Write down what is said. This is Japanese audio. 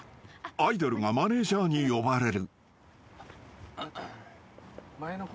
［アイドルがマネジャーに呼ばれる］